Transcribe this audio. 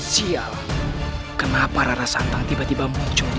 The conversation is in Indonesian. sampai jumpa di video selanjutnya